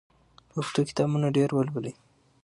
پښتو کتابونه ډېر ولولئ.